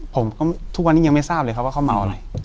ทุกวันนี้ยังไม่ทราบเลยครับว่าเขาเมาอะไร